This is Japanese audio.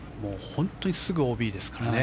右がすぐＯＢですからね。